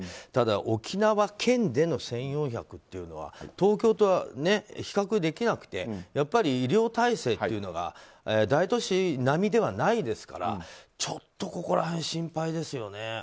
ただ、沖縄県での１４００というのは東京と比較できなくてやっぱり医療体制というのが大都市並みではないですからちょっとここら辺心配ですよね。